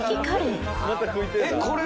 えっこれ。